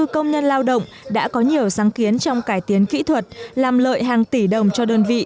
bốn mươi công nhân lao động đã có nhiều sáng kiến trong cải tiến kỹ thuật làm lợi hàng tỷ đồng cho đơn vị